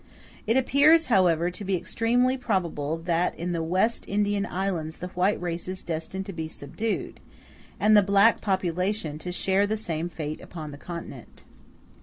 It appears, however, to be extremely probable that in the West Indian Islands the white race is destined to be subdued, and the black population to share the same fate upon the continent.